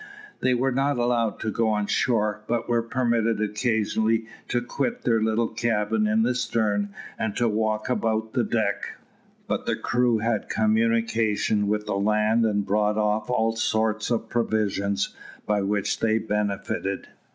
They were not allowed to go on shore, but were permitted occasionally to quit their little cabin in the stern and to walk about the deck; but the crew had communication with the land and brought off all sorts of provisions, by which they benefited.